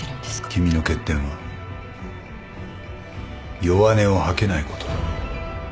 君の欠点は弱音を吐けないことだ。